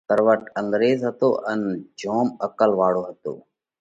تروٽ انڳريز هتو ان جوم عقل واۯو هتو۔